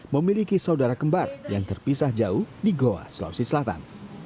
memiliki saudara kembar yang terpisah jauh di goa sulawesi selatan